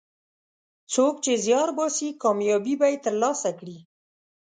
څوک چې زیار باسي، کامیابي به یې ترلاسه کړي.